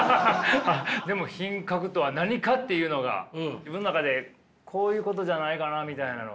でも品格とは何かっていうのが自分の中でこういうことじゃないかなみたいなのは？